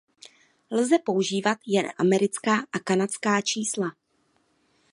Lze používat jen americká a kanadská čísla.